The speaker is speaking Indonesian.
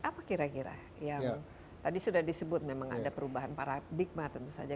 apa kira kira yang tadi sudah disebut memang ada perubahan paradigma tentu saja